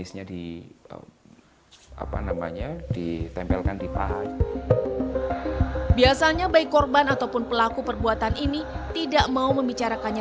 saya berkata ya allah lindungi saya